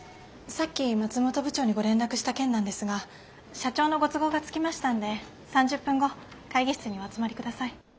さっき松本部長にご連絡した件なんですが社長のご都合がつきましたんで３０分後会議室にお集まり下さい。